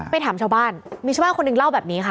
ถามชาวบ้านมีชาวบ้านคนหนึ่งเล่าแบบนี้ค่ะ